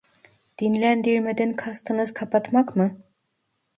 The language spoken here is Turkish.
Dinlendirmeden kastınız kapatmak mı?